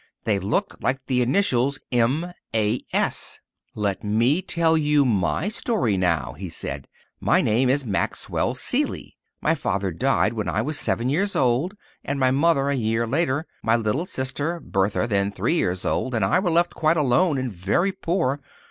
They looked like the initials M.A.S. "Let me tell my story now," he said. "My name is Maxwell Seeley. My father died when I was seven years old, and my mother a year later. My little sister, Bertha, then three years old, and I were left quite alone and very poor.